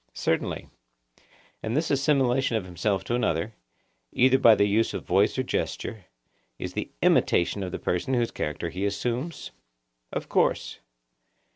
Certainly. And this assimilation of himself to another, either by the use of voice or gesture, is the imitation of the person whose character he assumes? Of course.